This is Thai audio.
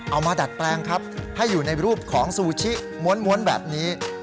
มาดัดแปลงครับให้อยู่ในรูปของซูชิม้วนแบบนี้